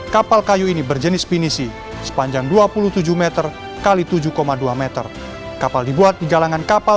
kapal kayu ini berjenis pinisi sepanjang dua puluh tujuh m x tujuh dua m kapal dibuat di galangan kapal